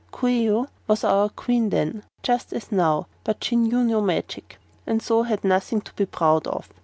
"Coo ee oh was our Queen then, as now, but she knew no magic and so had nothing to be proud of.